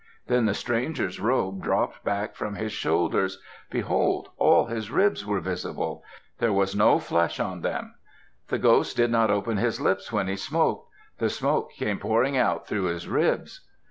Then the stranger's robe dropped back from his shoulders. Behold, all his ribs were visible. There was no flesh on them. The ghost did not open his lips when he smoked. The smoke came pouring out through his ribs.